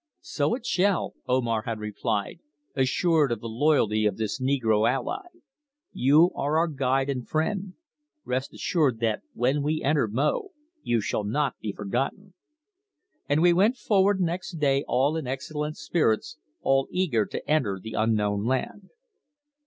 "So it shall," Omar had replied, assured of the loyalty of this negro ally. "You are our guide and friend; rest assured that when we enter Mo you shall not be forgotten." And we went forward next day all in excellent spirits, all eager to enter the unknown land.